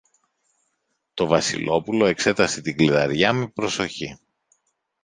Το Βασιλόπουλο εξέτασε την κλειδαριά με προσοχή.